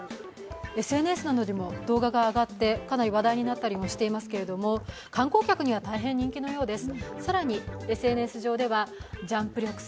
ＳＮＳなどでも動画が上がって、かなり話題になったりしていますけど観光客には大変人気のようです。